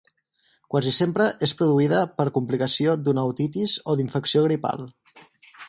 Quasi sempre és produïda per complicació d’una otitis o d'infecció gripal.